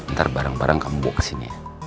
ntar barang barang kamu buka sini